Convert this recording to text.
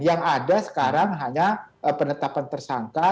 yang ada sekarang hanya penetapan tersangka